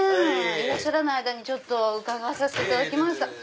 いらっしゃらない間に伺わさせていただきました。